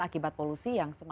akibat polusi yang sempurna